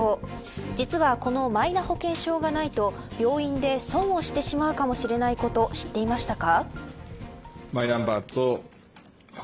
実はこのマイナ保険証がないと病院で損をしてしまうかもしれないこと知っていましたか。